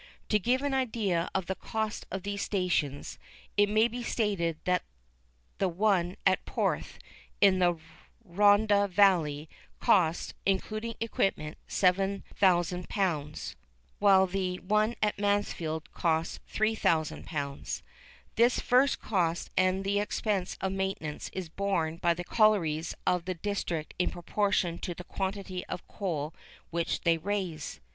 To give an idea of the cost of these stations, it may be stated that the one at Porth, in the Rhondda Valley, cost, including equipment, £7000, while the one at Mansfield cost £3000. This first cost and the expense of maintenance is borne by the collieries of the district in proportion to the quantity of coal which they raise.